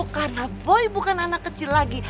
karena boy bukan anak kecil lagi